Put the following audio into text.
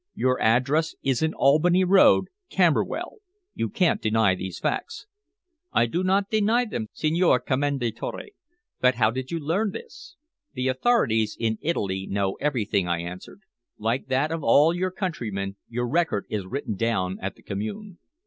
Your address is in Albany Road, Camberwell. You can't deny these facts." "I do not deny them, Signor Commendatore. But how did you learn this?" "The authorities in Italy know everything," I answered. "Like that of all your countrymen, your record is written down at the Commune."